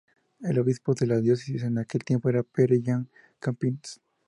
El obispo de la diócesis en aquel tiempo era Pere Joan Campins.